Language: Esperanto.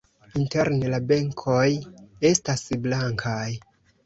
Interne la benkoj estas blankaj.